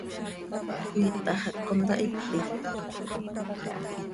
¿Cöiitax hac contahipit?